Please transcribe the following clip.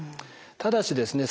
ただしですね